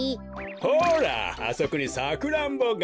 ほらあそこにサクランボが。